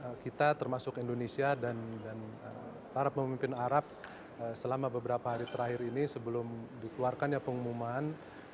karena kita termasuk indonesia dan para pemimpin arab selama beberapa hari terakhir ini sebelum dikeluarkannya pengumuman